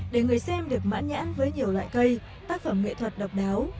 để người xem được mãn nhãn với nhiều loại cây tác phẩm nghệ thuật độc đáo